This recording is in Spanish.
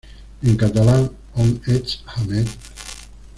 En catalán: "On ets, Ahmed?.